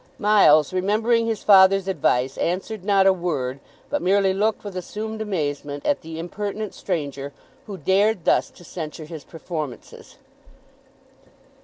Miles, remembering his father's advice, answered not a word, but merely looked with assumed amazement at the impertinent stranger who dared thus to censure his performances.